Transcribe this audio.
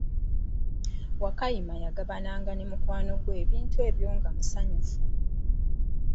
Wakayima yagabananga ne mukwano gwe ebintu ebyo nga musanyufu.